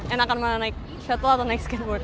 enak kan mau naik shuttle atau naik skateboard